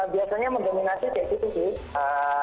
biasanya mendominasi kayak gitu sih